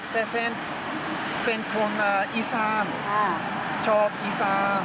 แต่เป็นคนอีสานชอบอีสาน